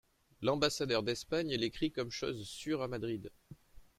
L'ambassadeur d'Espagne l'écrit comme chose sûre à Madrid.